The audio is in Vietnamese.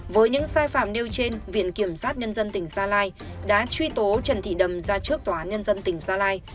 với những sai phạm nêu trên viện kiểm sát nhân dân tỉnh gia lai đã truy tố trần thị đầm ra trước tòa án nhân dân tỉnh gia lai